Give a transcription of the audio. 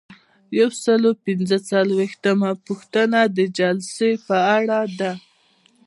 یو سل او پنځه څلویښتمه پوښتنه د جلسې په اړه ده.